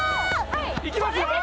いきますよ